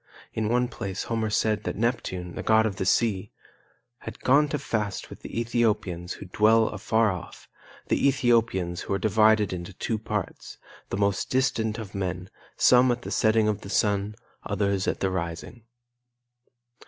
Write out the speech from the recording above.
In one place Homer said that Neptune, the god of the sea, "had gone to feast with the Ethiopians who dwell afar off, the Ethiopians who are divided into two parts, the most distant of men, some at the setting of the sun, others at the rising."